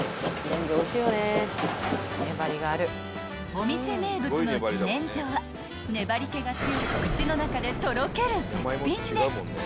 ［お店名物の自然薯は粘り気が強く口の中でとろける絶品です］